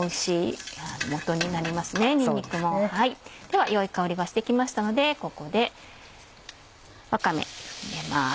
では良い香りがして来ましたのでここでわかめ入れます。